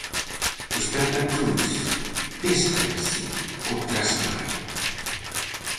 Os tapacús péscanse co trasmallo.